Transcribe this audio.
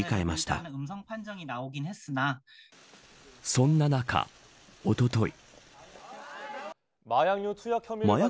そんな中おととい。